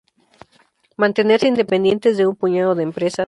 mantenerse independientes de un puñado de empresas